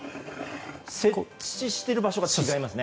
接している場所が違いますね。